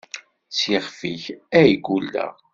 S yixef-ik ay gulleɣ.